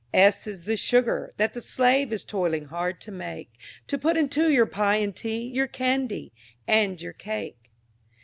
S is the Sugar, that the slave Is toiling hard to make, To put into your pie and tea, Your candy, and your cake.